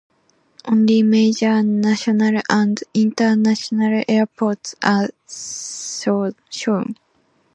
Only major National and International Airports are shown.